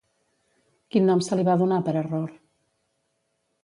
Quin nom se li va donar per error?